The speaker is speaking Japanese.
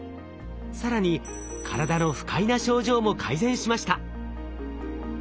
更に体の不快な症状も改善しました。